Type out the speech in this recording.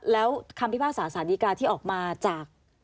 แล้วคำพิพากษาสารดีกาที่ออกมาจาก